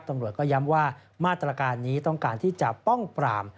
ตำรวจก็ย้ำว่ามาตรการนี้ต้องการที่จะป้องปราม